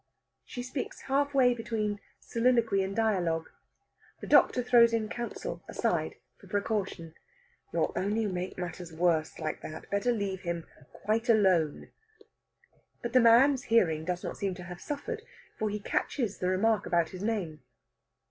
She speaks half way between soliloquy and dialogue. The doctor throws in counsel, aside, for precaution. "You'll only make matters worse, like that. Better leave him quite alone." But the man's hearing doesn't seem to have suffered, for he catches the remark about his name.